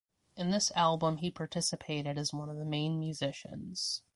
In this album he participated as one of the main musicians.